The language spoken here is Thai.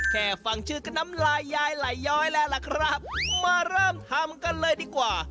แค่ฟังชื่อก็น้ำลายยายไหลย้อยแล้วล่ะครับมาเริ่มทำกันเลยดีกว่า